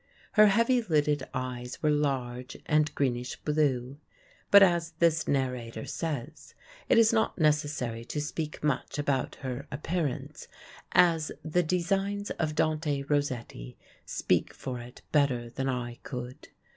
Her heavy lidded eyes were large and greenish blue. But, as this narrator says, it is not necessary to speak much about her appearance, "as the designs of Dante Rossetti speak for it better than I could do."